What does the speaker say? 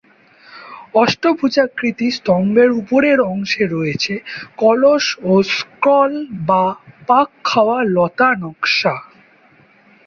অষ্টভুজাকৃতির স্তম্ভের উপরের অংশে রয়েছে কলস ও স্ক্রল বা পাক-খাওয়া লতা নক্শা।